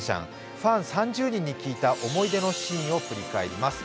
ファン３０人に聞いた思い出のシーンを振り返ります。